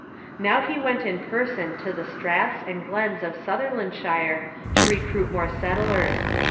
Now he went in person to the straths and glens of Sutherlandshire to recruit more settlers.